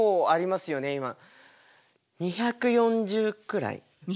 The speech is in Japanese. ２４０くらい？